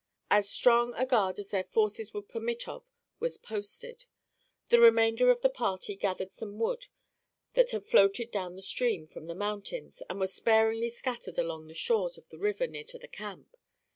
As strong a guard as their forces would permit of was posted. The remainder of the party gathered some wood that had floated down the stream from the mountains and was sparingly scattered along the shores of the river near to the camp.